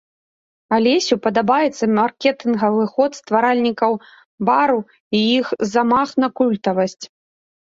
Алесю падабаецца маркетынгавы ход стваральнікаў бару і іх замах на культавасць.